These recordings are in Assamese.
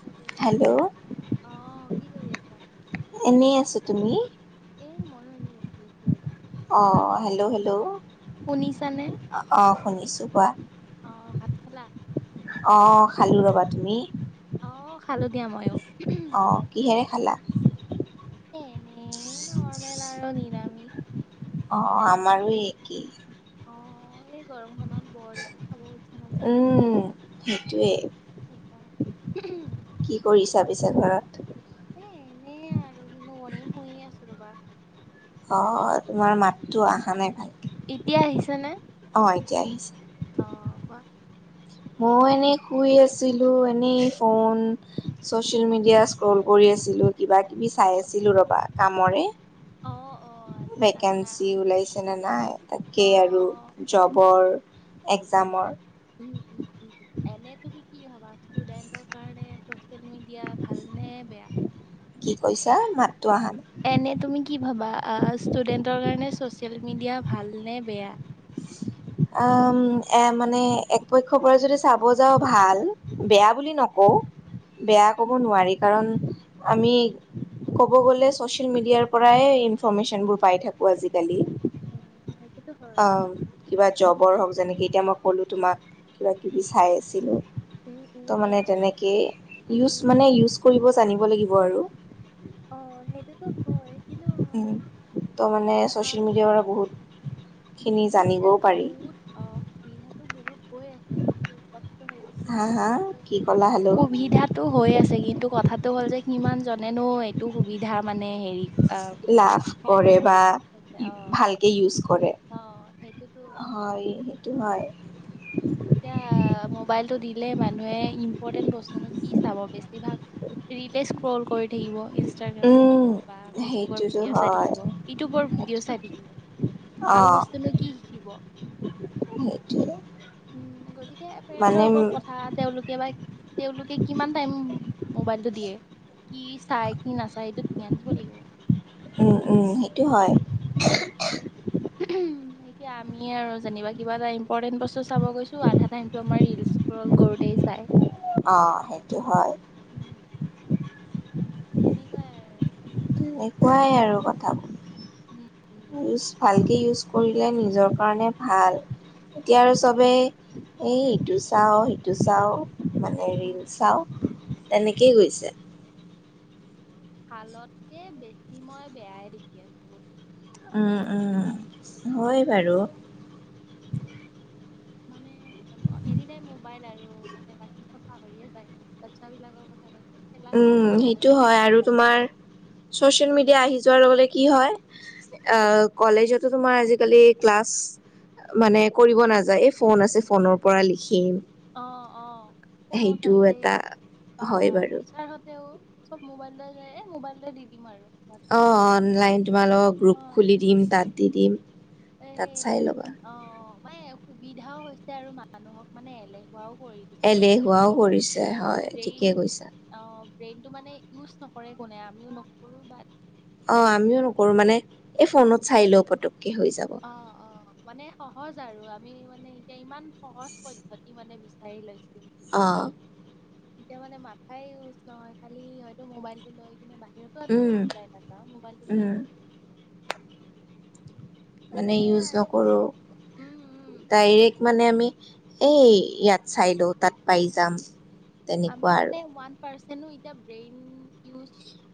হেল্ল' অহ কি কৰি আছা‌? এনেই আছো তুমি? মই এনেই বহি আছো ৰবা খালা অঁ হেল্ল' হেল্ল' শুনিছানে অঁ শুনিছোঁ কোৱা অ ভাত খালা? অ খালো ৰবা তুমি অ খালো দিয়া ময়ো এনেই অ কিহেৰে খালা? এনেই নৰৰ্মেল আৰু নিলামি অ আমাৰো একেই অ এই গৰম খনত বৰ একো খাব হৈছ উম সেইটোৱে সেইকাৰণে কি কৰিছা? পিছে ঘৰত এ এনে আৰু কিনো কৰিম শুইয়ে আছো ৰবা অ অ তোমাৰ মাততো আহা নাই ভাল এতিয়া আহিছে নে? এতিয়া আহিছে। অ কোৱা মই এনেই শুই আছিলো এনেই ফোন চচিয়েল মিডিয়া স্ক্ৰল কৰি আছিলো কিবা কিবি চাই আছিলো ৰবা কামৰে অ অ আচ্ছা ভেকেঞ্চি ওলাইছে নে নাই অ তাকেই আৰু জবৰ একজামৰ উ উ উ এনে তুমি কি ভাবা ষ্টুডেন্টৰ কাৰণে চচিয়েল মিডিয়া ভাল নে বেয়া কি কৈছা মাতটো আহা নাই এনে তুমি কি ভাবা আ ষ্টুডেন্টৰ কাৰণে চচিয়েল মিডিয়া ভাল নে বেয়া? উম এ মানে একপক্ষৰ পৰা যদি চাব যাওঁ ভাল বেয়া বুলি নকওঁ, বেয়া ক'ব উম নোৱাৰি কাৰণ, - আমি ক'ব গ'লে ছচিয়েল মিডিয়াৰ পৰাই ইনফৰৰ্মেশ্যনবোৰ পাই থাকো আজি। উম সেইটোতো হয়। আম, কিবা জবৰ হওক যেনেকে এতিয়া মই ক'লোঁ তোমাক কিবা কিবি চাই আছিলোঁ। উম উম ত' মানে এনে তেনেকেই ইউচ উম মানে ইউচ কৰিব জানিব লাগিব আৰু অ সেইটোতো হয় কিন্তু উম অ' ত' মানে ছ'চিয়েল ভাল মিডিয়াৰ বেয়া পৰা বহুত সুবিধাটো বহুত অ সুবিধাটো বহুত হৈ আছে কিন্তু হা সমান হা কি ক'লা হেল্ল' সুবিধাটো হৈ আছে কিন্তু কথাটো হ'ল যে কিমান জনেনো এইটো সুবিধা মানে হেৰি। আহ লাভ হয় অ কৰে বা লাভ উঠাইছে অ ভালকে ইউচ কৰে অ সেইটোতো উম হয় [unintelligible] এতিয়া মোবাইলতটো দিলে মানুহে ইম্পৰ্টেণ্ট বস্তুনো কি চাব বেছিভাগ ৰিলে স্ক্ৰল কৰি থাকিব। ইচট্ৰগাৰাম চাই। উম থাকিব বা ফেচবুকৰ সেইটোতো ভিডিঅ' চাই হয়। থাকিব ইউটোপৰ ভিডিঅ' চাই থাকিব। ভাল বস্তুনো কি শিকিব? সেইটোৱয়ে [unintelligible] উম গতিকে পেৰেন্টছৰ ওপৰত কথা তেওঁলোকে বা? তেওঁলোকে কিমান টাইম মোবাইলটো দিয়ে। কি চাই কি নাচায় এইটো ধ্যান দিব লাগিব। উম উম সেইটো হয়। উম এতিয়া আমি আৰু যেনিবা কিবা এটা ইম্পৰ্টেণ্ট বস্তু চাব গৈছো আধা টাইমতো আমাৰ ৰিল ইচক্ৰল কৰোতেই যায়। আহ সেইটো হয় উম, তেনেকুৱাই আৰু তেনেকুৱাই আৰু উম উম কথাবোৰ ইউজ ভালকে ইউজ কৰিলে নিজৰ কাৰণে ভাল। এতিয়া আৰু চবেই এই ইিটো চাওঁ সিটো চাওঁ। মানে উম। ৰীল চাওঁ তেনেকেই গৈছে। ভালতকে বেছি মই বেয়াই দেখি আছো। হয় বাৰু মানে এনি টাইম মোবাইল আৰু মানে বাকী চব পাহৰিয়ে যায় বাচ্ছ বিলাকৰ কথা ক খেলা উম খেলা সেইটো ধূলা হয় পাহৰি আৰু যায় তোমাৰ চচিয়েল মিডিয়া আহি যোৱাৰ লগে। কি হয় কলেজতো তোমাৰ আজিকালি ক্লাছ। মানে কৰিব নাযায় এই ফোন আছে ফোনৰ পৰা লিখিম অ অ কোনত সেইটো আছে এটা বা হয় বাৰু টিচাৰ হত তেওঁ চব মোবাইল যায় মোবাইল দি দিম আৰু অ হোৱাটছএপত গ্ৰুপত অনলাইন তোমালোকৰ অ গ্ৰুপ খুলি দিম তাত দি দিম এ তাত সেই চাই ল'বা তেনেকুৱা অ মানে সুবিধাও হৈছে আৰু মানুহক মানে এলে খও কৰি দিছে মানে এলেহুৱাও কৰিছে হয় ঠিকে ব্ৰেইন কৈছা আহ ব্ৰেইনটো মানে, ইউজ নকৰে কোনে আমিও নকৰো বাট অ আমিও নকৰো মানে এই ফোনত চাই লও ফটো অ অ মানে সহজ আৰু আমি মানে এতিয়া ইমান সহজ পদ্ধতি মানে বিচাৰি লৈছো। অ এতিয়া মানে মাথাই ইউজ নহয় খালি হয়তো মোবাইলতটো লৈ কিনে বাহিৰত খ আ ত উম ফাইট আকা মোবাইলটোো লৈয়ছ উম ন মানে সেয়া ইউজ আৰু নকৰোঁ উম, উম, ডাইৰেক্ট মানে আমি এ ইয়াত চাই লও তাত পাই যাম। আমি তেনেকুৱা আৰু মানে ওৱান পাৰেনো বেৰেন জ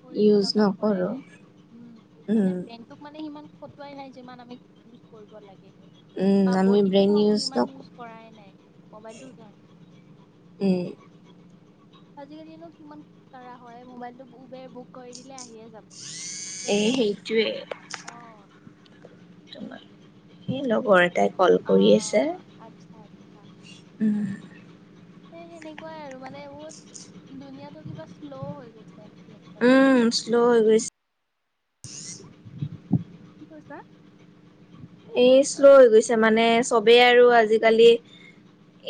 কৰিব ইউজ লগা হোৱাই নকৰো নাই। উম, মানে উম বেংকত মানে সিমান সটোৱাই নাই যিমান আমি ইউজ কৰিব লাগে। উম বা আমি ব্ৰেইন বডিটোও আমি নক ইমান ইউজ উম কৰাই নাই মোবাইলটো য উম আজিকালিনো কিমান কাৰা হয়? ম'বাইলটো উবেৰ বুক কৰি দিলে আহিয়ে যাব। এ গ'লোৱে সেইটোৱে। অ তোমাৰ সেই লগৰ এটাই কল অ কৰি আছে। আচ্ছা উম। সে সেনেকুৱাই আৰু মানে বহুত দুুনীয়া টো কিবা চ্ল' হৈ গৈছে এনেকুৱা লাগে উম চ্ল' হৈ গৈছে। কি কৈছা? এ চ্ল' হৈ গৈছে মানে চবেই আৰু আজিকালি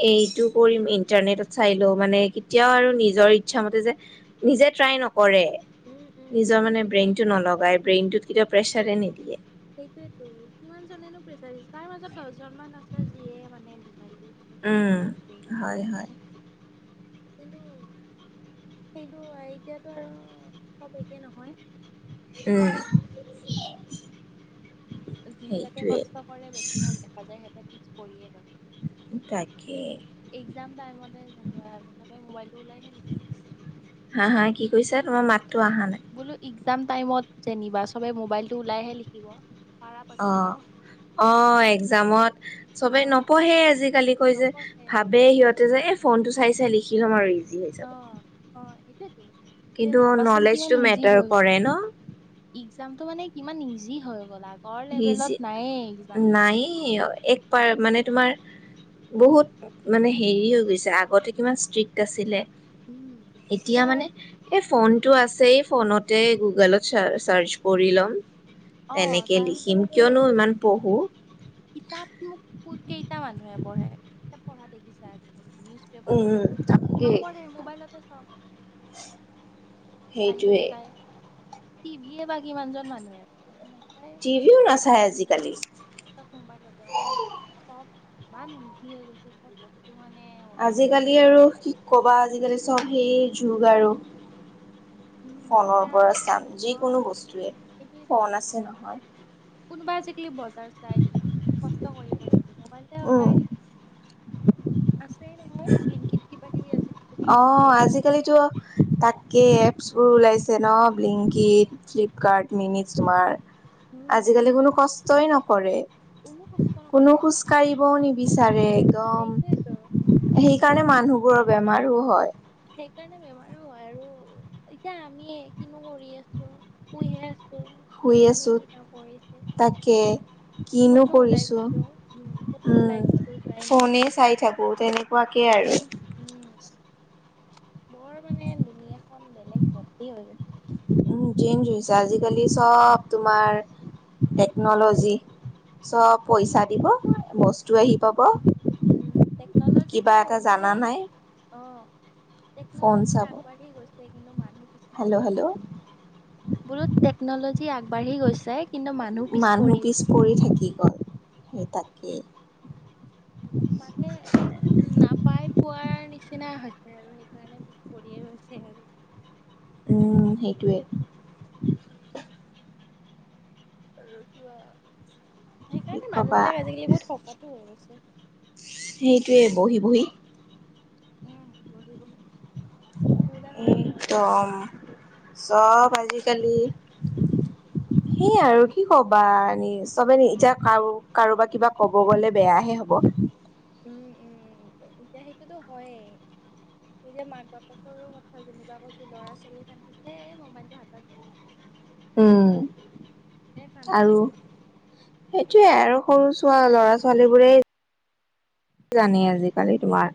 এইটো কৰিম ইণ্টাৰনেটত চাই লও মানে কেতিয়াও আৰু নিজৰ ইচ্ছামতে যে নিজে ট্ৰাই নকৰে। উম উম নিজৰ নিজে মানে কেতিয়াও ব্ৰেইন টো পাই নলগাই ব্ৰেইনটোত কেতিয়াও প্ৰেচাৰে নিদিয়ে। সেইটোয়েতো কিমান জনেনো প্ৰেচাৰ তাৰ মাজত দহজন মান আছে যিয়ে মানে মোবাইলটো চেক কৰি উম, ব্ৰেইন ইউজ হয় কৰে হয়। [unintelligible] সেইটো এতিয়াতো আৰু চব একে নহয়। উম। যি বিলাকে সেইটোৱে কষ্ট কৰে বেছিভাগ দেখা যায় সিহঁতে পিছ পৰিয়ে ৰয়। তাকে একজাম টাইমতে যেনেকা চবে মোবাইলটো ওলাইহে লিখে। বুইছা তোমাৰ মাতটো অহা নাই। এক্জাম টাইমত যেনিবা চবে মোবাইলটো ওলাইহে লিখিব। অ পাৰাপক্ষত অ, একজামত চবে আহ নপঢ়ে আজিকালি কৈ যে নপঢ়ে ভাবে সিহঁতে যে এই ফোনটো চাই চাই লিখি লম আৰু ইজি হৈ যাব। আহ অ সেইটোয়েতো কিন্তু ভাবাচোন কিমান নলেজটো ইজি মেটাৰ হৈ গল। কৰে ন একজামতটো মানে ইমান ইজি হৈ গ'লা ইজি, নায়েই এক পাৰ মানে তোমাৰ বহুত মানে হেৰি হৈ গৈছে আগতে কিমান ষ্ট্ৰিক্ট আছিলে। এতিয়া মানে, এই ফোন টো আছেই ফোনতে গুগলত চা চাৰ্চ কৰি ল'ম। অ তেনেকে তাৰ লিখিম কিয়নো সেইটোৱেইটো, ইমান পঢ়ো কিতাপ মোক ক কেইটা মানুহ পঢ়ে? কিতাপ পঢ়া দেখিছা আজি নিউজ পেপাৰ উম, পঢ়া দে- তাকেই নপঢ়েয়ে মোবাইলতে চব সেইটোৱে। টিভি য়ে বা কিমানজন মানুহে নাচায়ে টিভিও নাচায় আজিকালি। চব মোবাইলতে মানে চব ইমান ইজি হৈ গৈছে চব ক আজিকালি আৰু কি কবা আজিকালি চব সেই যুগ আৰু। উম। ফোনৰ এতিয়া পৰা চাম অ' যিকোনো বস্তুৱে। ফোন আছে নহয়। কোনোবাই আজিকালি বজাৰ যাই নেকি? কষ্ট কৰিব নেকি? মবাইলতে উম অৰ্ডাৰদি আছেয়ে নহয় ব্লিংকিত কিবা কিবি আজি অ আজিকালিতো ধেৰ ওলাইছে। আজিকালিতো তাকে এপছ বোৰ ওলাইছে ন! ব্লিংকিট, ফ্লিপকাৰ্ট, মিনিজ তুমাৰ উম, আজিকালি উম, কোনো কষ্টই নকৰে। কোনো কষ্ট কোনো নকৰে খোজ কাঢ়িবও নিবিচাৰে একদম। সেইটোৱেতো। সেইকাৰণে মানুহবোৰৰ বেমাৰো হয়। সেইকাৰণে বেমাৰো হয়। আৰু এতিয়া আমিয়ে কিনো কৰি আছো, শুইহে আছো। শুই কেইটানো আছো। কি কাম কৰিছো তাকে। কিনো ক'তনো ওলাই কৰিছোঁ গৈছো উম, ক'তনো ওলাই উম্ গৈছো যোৱাই নাই। ফোনে চাই থাকোঁ তেনেকুৱাকে আৰু। উম, বৰ মানে দুুনীয়াখন বেলেগ ভৰ্তি হৈ চেঞ্জ হৈছে আজিকালি চব তোমাৰ টেকনলজি চব পইচা টেক দিব বস্তু আহি পাব। উম টেকনলজিটো কিবা এটা মানে জানা নাই অ। ফোন টেকন'লজি চাব। আগবাঢ়ি গৈছে কিন্তু মানুহ পিছ পৰি হেল্ল' হেল্ল' গৈছে। বোলো টেকনলজি আগবাঢ়ি গৈছে কিন্তু মানুহ পৰি পিছ গৈছে। পৰি থাকি গ'ল সেই তাকেই। মানে নাপাই পোৱাৰ নিচিনা হৈ আৰু সেইকাৰণে পিছ পৰিয়ে ৰৈছে আৰু। উম সেইটোৱে। আৰু কিবা কি সেইকাৰণে মানুহ ক'বা বিলাক আজিকালি বহুত শকতো হৈ গৈছে। সেইটোৱে বহি বহি উম বহি বহি। [unintelligible] উদাহৰণ মইহে একদম চব আজিকালি [unintelligible] সেই আৰু কি ক'বা? নি চবে নি এতিয়া কাৰ কাৰোবাক কিবা কব গ'লে বেয়াহে। হ'ব। উম উম এতিয়া সেইটোতো হয়েই। এতিয়া মাক বাপেকৰো কথা যেনিবা কৈছো ল'ৰা ছোৱালী খান্ পিছে মোম্বাইলটো হাতত উম দিছে কান্দা আৰু চোন সেইটো সেইয়ে আৰু সৰু ছ ল'ৰা ছোৱালী বোৰেই কি জানেই আজিকালি তোমাৰ।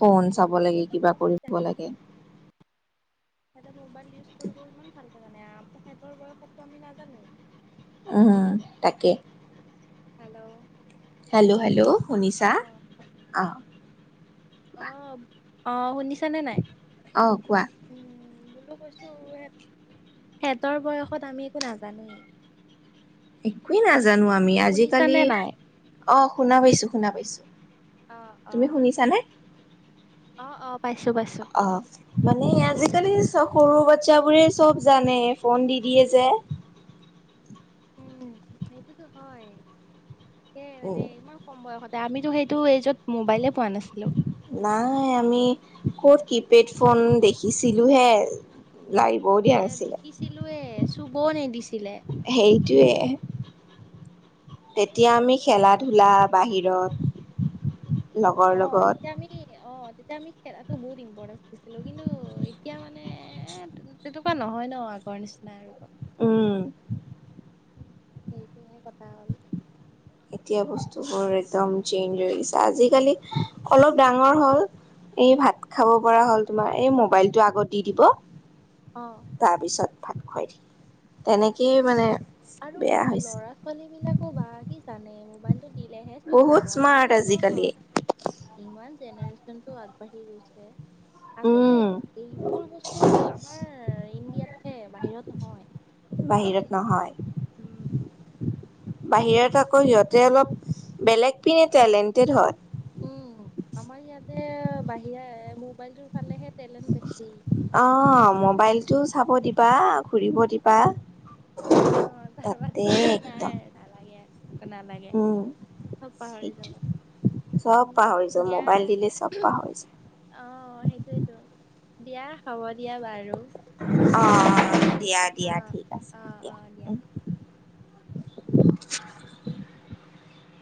ফোন চাব লাগে কিবা কৰিব লাগে সিহঁক মোবাইল ইউজ কৰিব ইমান ভালকে জানে আ, তেখেতৰ বয়সতো আমি নাজানো। উম তাকে। হেল্লো'। হেল্লো হেল্লো শুনিছা? আহ! অ অ শুনিছা নে নাই? অ কোৱা [unintelligible] সিহঁতৰ বয়সত আমি একো নাজানোৱেই। একোৱে নাজানো আমি আজিকালি। শুনিছানে নাই অ শুনা পাইছো শুনা পাইছো। অ অ তুমি শুনিছা নে? অ অ। পাইছো পাইছো অ মানে আজি কালি সৰু বাচ্ছাবোৰে চব জানে ফোন দি দিয়ে যে। উম সেইটোতো হয়, তালে মানে উম ইমান কম বয়সত আমিতো সেইটো এইজত মোবাইলে পোৱা নাছিলো। নাই আমি ক'ত কিপেড ফোন দেখিছিলো হে। লাগিবও দিয়া নাছিলে। চুব নিদি সেইটোৱে। তেতিয়া আমি এতিয়া খেলা ধূলা বাহিৰত, অ লগৰ তেতিয়া আমি লগত অ তেতিয়া আমি খেলাতো বহুত ইম্পৰ্টেঞ্চ দিছিলো কিন্তু এতিয়া মানে তেনেকুৱা নহয়। হয় ন আগৰ নিচিনা আৰু। উম। সেইটোহে কথা হ'ল। এতিয়া বস্তুবোৰ একদম চেইঞ্জ হৈ গৈছে। আজিকালি অলপ ডাঙৰ হ'ল। এই ভাত খাব পৰা হ'ল, তোমাৰ এই মবাইলটো আগত দি দিব। অ তাৰ পিছত ভাত খুৱাই দি, তেনেকেই মানে আৰু বেয়া হৈছে ল'ৰা ছোৱালী বিলাকো বা কি জানে মোবাইল দিলেহে চখ বহুত হব এনে স্মাৰ্ট নহয় আজিকালি ৷ ইমান জেনেৰেশ্যন টো আগবাঢ়ি গৈছে। উম আচলতে এইবোৰ বস্তু আমাৰ ইণ্ডিয়াতহে বাহিৰত নহয়। বাহিৰত নহয় উম বাহিৰত আকৌ সিহঁতে অলপ বেলেগ পিনে টেলেণ্টেড হয়। উম আমাৰ ইয়াতে বাহিৰা মোবাইলটোৰ ফালেহে টেলেণ্ট বেছি। অ মোবাইলটো চাব দিবা, ঘুৰিব দিবা ৷ আহ তাৰ পিছত নাই নালাগে একো নালাগে উম চব পাহৰি সেইটো যাবা৷ চব উম পাহৰি যাও দিয়া মোবাইল দিলে চব পাহৰি যাও অ সেইটোৱেইেতো। দিয়া হ'ব দিয়া বাৰু৷ অ দিয়া-দিয়া অ', ঠিক আছে অ', দিয়া অ', উম ৷ [inaudible]